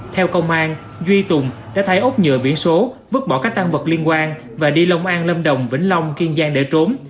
theo công an duy tùng đã thay ốc nhựa biển số vứt bỏ các tăng vật liên quan và đi lông an lâm đồng vĩnh long kiên giang để trốn